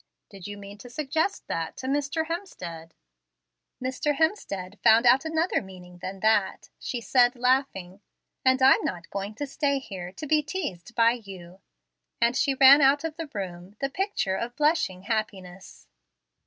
Did you mean to suggest that to Mr. Hemstead?" "Mr. Hemstead found out another meaning than that," she said, laughing, "and I'm not going to stay here to be teased by you"; and she ran out of the room, the picture of blushing happiness.